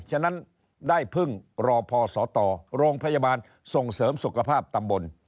ฉะนั้นได้เพิ่งรอพอสตโรงพยาบาลส่งเสริมสุขภาพตำบล